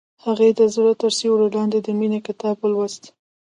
هغې د زړه تر سیوري لاندې د مینې کتاب ولوست.